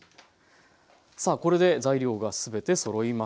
さあこれで材料が全てそろいました。